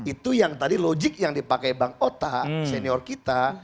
itu yang tadi logik yang dipakai bang ota senior kita